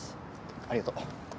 ありがとう。